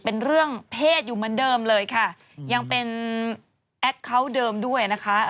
เป็นเรื่องเพศอยู่เหมือนเดิมเลยค่ะยังเป็นแอคเคาน์เดิมด้วยนะคะ